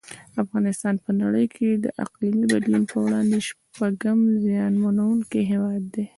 افغانستان په نړۍ کې د اقلیمي بدلون په وړاندې شپږم زیانمنونکی هیواد دی.